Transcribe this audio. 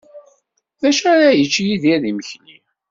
D acu ara yečč Yidir d imekli?